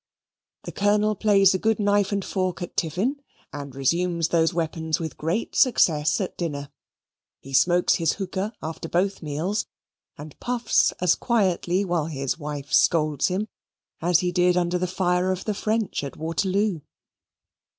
The Colonel plays a good knife and fork at tiffin and resumes those weapons with great success at dinner. He smokes his hookah after both meals and puffs as quietly while his wife scolds him as he did under the fire of the French at Waterloo.